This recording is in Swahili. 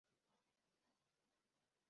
Aidha Mkoa una Majimbo tisa ya uchaguzi